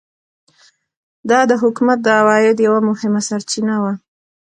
دا د حکومت د عوایدو یوه مهمه سرچینه وه.